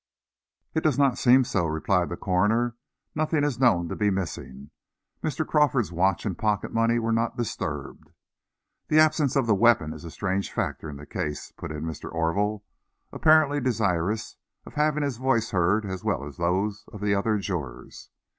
"It does not seem so," replied the coroner. "Nothing is known to be missing. Mr. Crawford's watch and pocket money were not disturbed." "The absence of the weapon is a strange factor in the case," put in Mr. Orville, apparently desirous of having his voice heard as well as those of the other jurors.